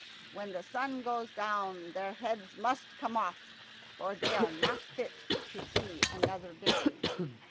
When the sun goes down their heads must come off, for they are not fit to see another day."